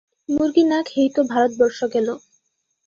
মুর্গি না খেয়েই তো ভারতবর্ষ গেল!